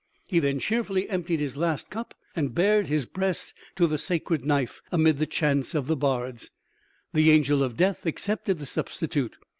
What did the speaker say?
He then cheerfully emptied his last cup and bared his breast to the sacred knife amid the chants of the bards. The angel of death accepted the substitute.